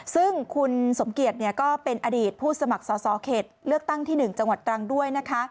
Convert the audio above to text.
ซึ่งคุณสมเกียจก็เป็นอดีตผู้สมัครสอสอเขตเลือกตั้งที่๑จังหวัดตรังด้วยนะคะ